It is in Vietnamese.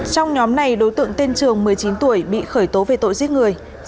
trong nhóm này đối tượng tên trường một mươi chín tuổi bị khởi tố về tội giết người